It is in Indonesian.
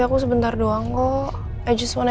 aku sebentar doang kok i just wanna